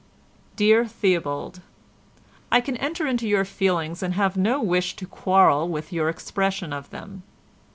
"Dear Theobald,—I can enter into your feelings and have no wish to quarrel with your expression of them.